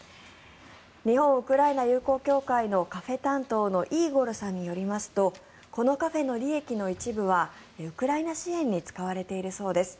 日本ウクライナ友好協会のカフェ担当のイーゴルさんによりますとこのカフェの利益の一部はウクライナ支援に使われているそうです。